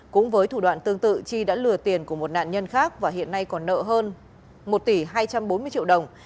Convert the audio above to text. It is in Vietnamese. cũng với thủ đoạn tương tự chi đã lừa tiền của một nạn nhân khác và hiện nay còn nợ hơn một tỷ hai trăm bốn mươi triệu đồng